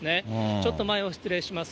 ちょっと前を失礼します。